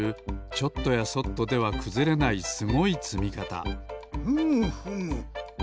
ちょっとやそっとではくずれないすごいつみかたふむふむ。